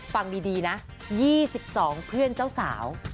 ฟังดีนะ๒๒เพื่อนเจ้าสาว